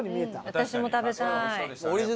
私も食べたい。